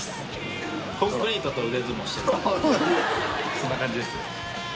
そんな感じですね。